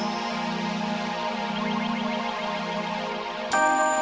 dia ingin mening dapat tidak